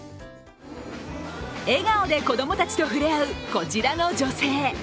笑顔で子供たちと触れ合う、こちらの女性。